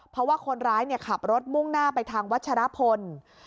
เพราะว่าคนร้ายขับรถมุ่งหน้าไปทางวัชรพล